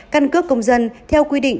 căn cước công dân theo quy định